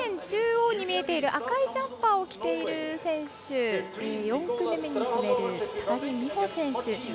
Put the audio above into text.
中央に見えている赤いジャンパーを着ている選手、４組目に滑る高木美帆選手。